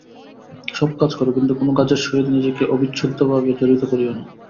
সব কাজ কর, কিন্তু কোন কিছুর সহিত নিজেকে অবিচ্ছেদ্যভাবে জড়িত করিও না।